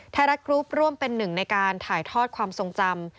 ไทยรัฐกรุ๊ปร่วมเป็นหนึ่งในการถ่ายทอดความทรงจำ